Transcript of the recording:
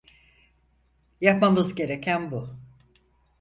Yapmamız gereken bu.